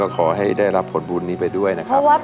ขอให้ได้รับผลบุญนี้ไปด้วยนะครับ